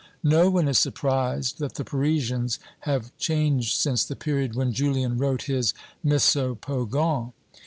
No one is surprised that the Parisians have ciianged since the period when Julian wrote his Misopogon.